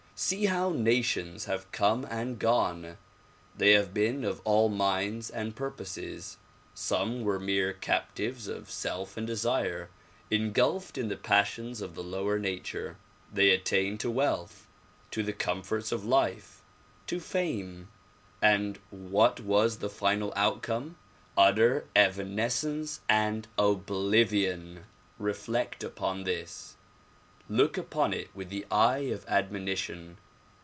See how nations have come and gone. They have been of all minds and purposes. Some were mere captives of self and desire, engulfed in the passions of the lower nature. They attained to wealth, to the comforts of life, to fame. And what was the final outcome ? Utter evanescence and oblivion. Reflect upon this. Look upon it with the eye of admonition.